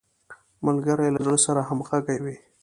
ملګری له زړه سره همږغی وي